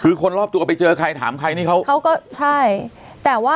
คือคนรอบตัวไปเจอใครถามใครนี่เขาเขาก็ใช่แต่ว่า